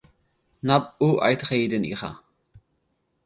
ናብ ኡ ኣይትኸይድን ኢኻ።